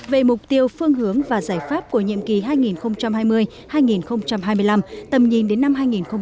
về mục tiêu phương hướng và giải pháp của nhiệm kỳ hai nghìn hai mươi hai nghìn hai mươi năm tầm nhìn đến năm hai nghìn ba mươi